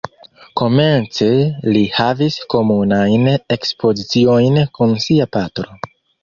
Komence li havis komunajn ekspoziciojn kun sia patro.